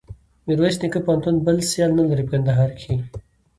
میرویس نیکه پوهنتون بل سیال نلري په کندهار کښي.